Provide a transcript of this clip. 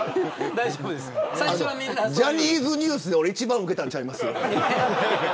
ジャニーズニュースで一番うけたんちゃいます。